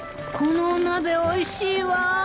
このお鍋おいしいわ。